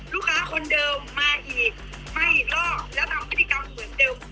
ลูกค้าคนเดิมมาอีกไม่รอดแล้วทำพฤติกรรมเหมือนเดิม